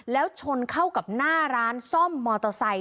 แล้วชนเข้ากับหน้าร้านซ่อมมอเตอร์ไซค